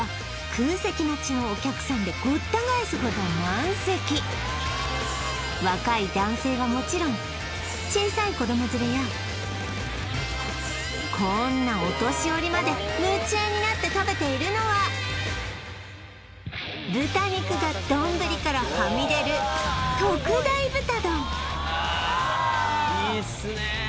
空席待ちのお客さんでごった返すほど満席若い男性はもちろん小さいこんなお年寄りまで夢中になって豚肉が丼からはみ出る特大・うわ・いいっすね